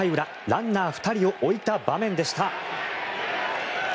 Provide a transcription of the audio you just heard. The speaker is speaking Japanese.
ランナー２人を置いた場面でした。